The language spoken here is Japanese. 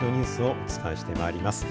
お伝えしてまいります。